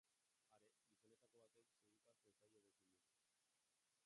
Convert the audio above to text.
Are, gizonetako batek segika hasten zaio bost minutuz.